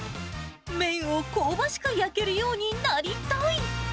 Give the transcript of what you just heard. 麺を香ばしく焼けるようになりたい。